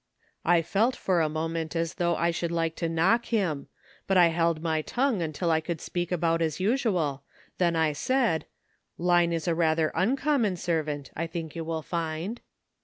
*" I felt for a moment as though I should like to knock him; but I held my tongue until I could speak about as usual, then I said, ' Line is a rather uncommon servant, I thmk you will find.'